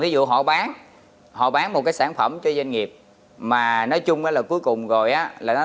ví dụ họ bán họ bán một cái sản phẩm cho doanh nghiệp mà nói chung là cuối cùng rồi là nó